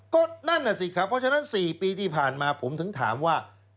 ก็นั่นน่ะสิครับเพราะฉะนั้น๔ปีที่ผ่านมาผมถึงถามว่า